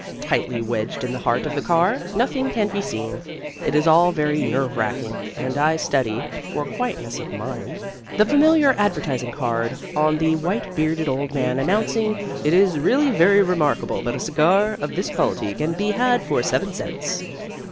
Tightly wedged in the heart of the car, nothing can be seen. It is all very nerve racking, and I study, for quietness of mind, the familiar advertising card of the white bearded old man announcing "It is really very remarkable that a cigar of this quality can be had for seven cents."